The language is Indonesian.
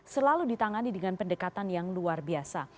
selalu ditangani dengan pendekatan yang luar biasa